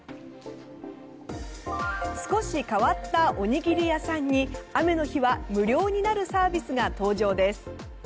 少し変わったおにぎり屋さんに雨の日は無料になるサービスが登場です。